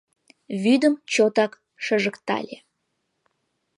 Вӱдым чотак шыжыктале